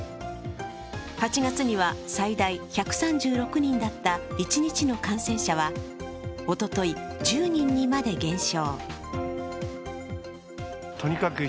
８月には最大１３６人だった一日の感染者はおととい、１０人にまで減少。